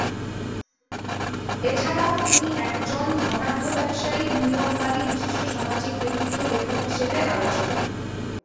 এছাড়াও তিনি একজন ধনাঢ্য ব্যবসায়ী, বিনিয়োগকারী, বিশিষ্ট সামাজিক ব্যক্তিত্ব, লেখক হিসেবে আলোচিত।